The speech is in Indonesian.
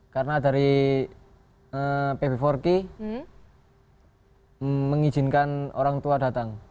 karena dari pb empat ki mengizinkan orang tua datang